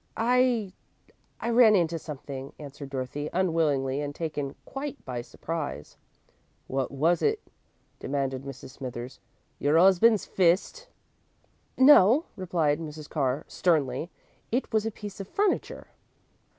"I I ran into something," answered Dorothy, unwillingly, and taken quite by surprise. "Wot was it," demanded Mrs. Smithers. "Your 'usband's fist?" "No," replied Mrs. Carr, sternly, "it was a piece of furniture."